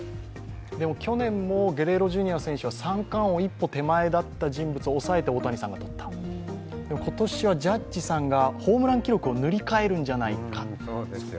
でも去年もゲレーロ・ジュニア選手は三冠王一歩手前だった選手を抑えて大谷さんが取った、今年はジャッジさんがホームラン記録を塗り替えるんじゃないかと。